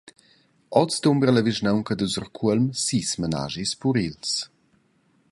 Oz dumbra la vischnaunca da Surcuolm sis menaschis purils.